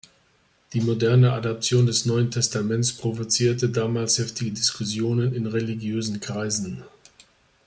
Die moderne Adaption des Neuen Testaments provozierte damals heftige Diskussionen in religiösen Kreisen.